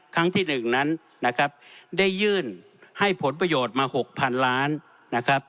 ครั้งที่๑นั้นได้ยื่นให้ผลประโยชน์มา๖๐๐๐ล้าน